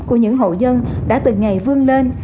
của những hộ dân đã từ ngày vương lên